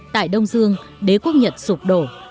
tại đông dương đế quốc nhật sụp đổ